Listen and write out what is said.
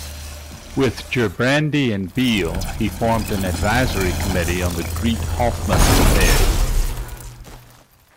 With Gerbrandy and Beel, he formed an advisory committee on the Greet Hofmans affair.